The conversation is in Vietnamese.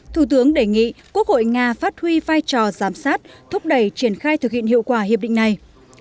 thủ tướng đề nghị quốc hội nga phát huy vai trò giám sát thúc đẩy triển khai thực hiện hiệu quả hiệp định này